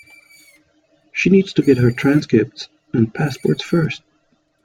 She needs to get her transcripts and passport first.